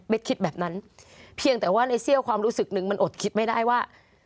คิดแบบนั้นเพียงแต่ว่าในเสี้ยวความรู้สึกนึงมันอดคิดไม่ได้ว่า